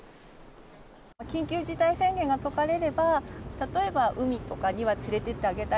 緊急事態宣言が解かれれば、例えば海とかには連れてってあげたい。